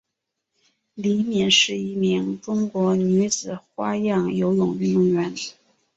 李敏是一名中国女子花样游泳运动员。